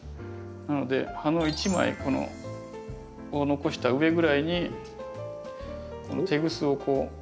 なので葉の１枚このこう残した上ぐらいにこのテグスをこう。